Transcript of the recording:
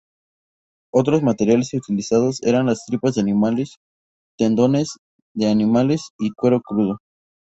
Otros materiales utilizados eran las tripas de animales, tendones de animales y cuero crudo.